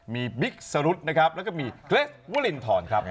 มีบิ๊กสรุธนะครับแล้วก็มีเกรสวลินทรครับ